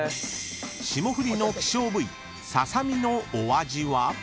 ［霜降りの希少部位ササミのお味は？］